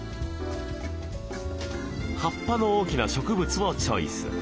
葉っぱの大きな植物をチョイス。